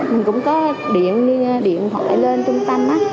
mình cũng có điện thoại lên trung tâm